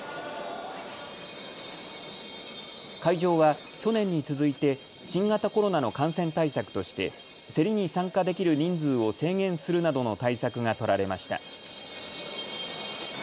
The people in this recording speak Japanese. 会場は去年に続いて新型コロナの感染対策として競りに参加できる人数を制限するなどの対策が取られました。